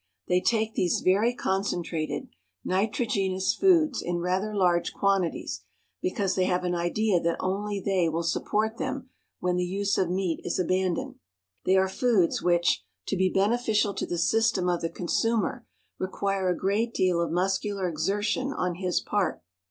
They take these very concentrated, nitrogenous foods in rather large quantities, because they have an idea that only they will support them when the use of meat is abandoned. They are foods which, to be beneficial to the system of the consumer, require a great deal of muscular exertion on his part.